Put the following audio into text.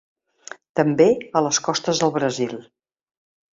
També a les costes del Brasil.